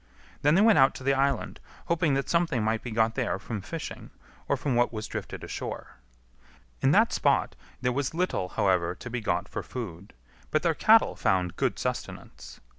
Then they went out to the island, hoping that something might be got there from fishing or from what was drifted ashore. In that spot there was little, however, to be got for food, but their cattle found good sustenance.